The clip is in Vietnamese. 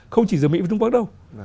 không chỉ giữa mỹ và trung quốc đâu